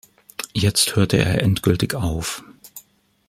Jetzt hörte er endgültig auf.